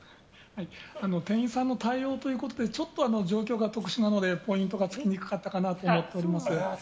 店員さんの対応ということでちょっと状況が特殊なのでポイントがつきにくかったかなと思っております。